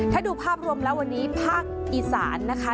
ถ้าดูภาพรวมแล้ววันนี้ภาคอีสานนะคะ